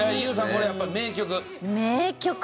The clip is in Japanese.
これやっぱ名曲？